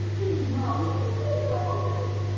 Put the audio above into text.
お薬は飲んでるんですかね？